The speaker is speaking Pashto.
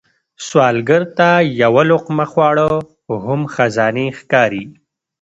سوالګر ته یو لقمه خواړه هم خزانې ښکاري